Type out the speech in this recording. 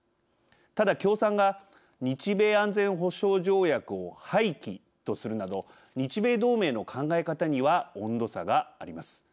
ただ共産が日米安全保障条約を廃棄とするなど日米同盟の考え方には温度差があります。